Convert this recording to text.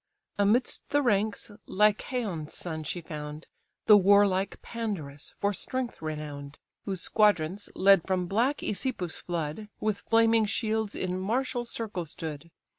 Amidst the ranks Lycaon's son she found, The warlike Pandarus, for strength renown'd; Whose squadrons, led from black Æsepus' flood, With flaming shields in martial circle stood.